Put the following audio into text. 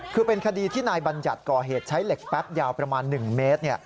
คือเป็นคดีที่นายบัญญัติก่อเหตุใช้เหล็กแป๊บยาวประมาณ๑เมตร